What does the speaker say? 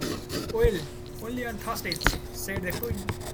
‘Well, only on Thursdays,’ said the Queen.